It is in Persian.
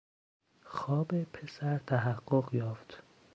خواب پسر تحقق یافت.